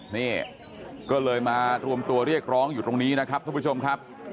นี่ก็เลยมารวมตัวเรียกร้องอยู่ตรงนี้นะครับทุกผู้ชมครับ